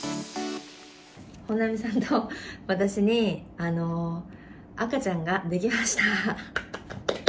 本並さんと私に赤ちゃんが出来ました。